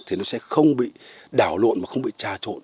thì nó sẽ không bị đảo lộn mà không bị trà trộn